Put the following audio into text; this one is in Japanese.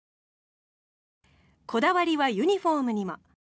こだわりはユニホームにも。